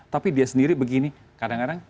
tapi dia sendiri begini kadang kadang